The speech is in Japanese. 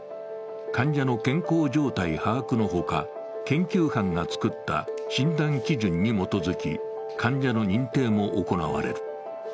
患者の健康状態把握のほか、研究班が作った診断基準に基づき患者の認定も行われる。